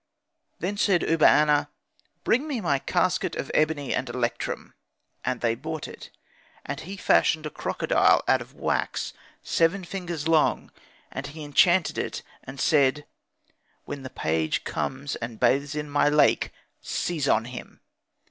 "Then said Uba aner, 'Bring me my casket of ebony and electrum.' And they brought it; and he fashioned a crocodile of wax, seven fingers long: and he enchanted it, and said, 'When the page comes and bathes in my lake, seize on him.'